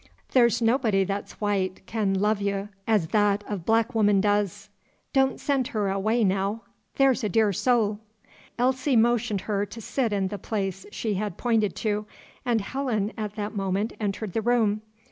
The' 's nobody that's white can love y' as th' of black woman does; don' sen' her away, now, there 's a dear soul!" Elsie motioned her to sit in the place she had pointed to, and Helen at that moment entered the room.